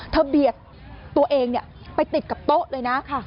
เบียดตัวเองไปติดกับโต๊ะเลยนะ